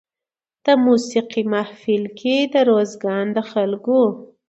د موسېقۍ محفل کې د روزګان د خلکو